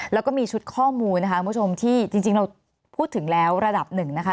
แล้วก็มีชุดข้อมูลนะคะคุณผู้ชมที่จริงเราพูดถึงแล้วระดับหนึ่งนะคะ